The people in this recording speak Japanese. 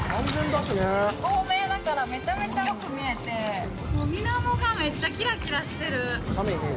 透明だから、めちゃめちゃよく見えて、もう水面がめっちゃキラキラしてる！